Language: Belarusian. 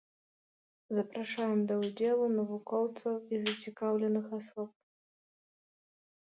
Запрашаем да ўдзелу навукоўцаў і зацікаўленых асоб.